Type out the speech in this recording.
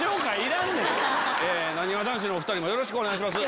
なにわ男子のお２人もよろしくお願いします。